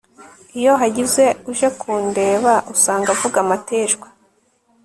iyo hagize uje kundeba, usanga avuga amateshwa